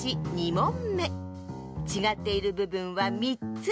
もんめちがっているぶぶんは３つ。